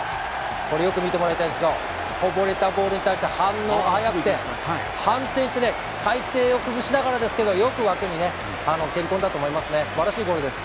これよく見てもらいたいんですがこぼれたボールに対して反応が早くて体勢を崩しながらですけどよく枠に蹴りこんだと思いますね素晴らしいゴールです。